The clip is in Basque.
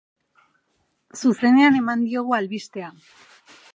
Zuzenean eman diogu albistea.